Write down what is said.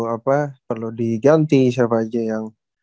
apa perlu diganti siapa aja yang